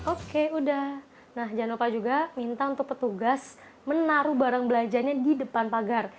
oke udah nah jangan lupa juga minta untuk petugas menaruh barang belanjanya di depan pagar